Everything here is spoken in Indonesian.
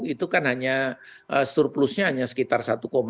itu kan hanya surplusnya hanya sekitar satu tiga satu empat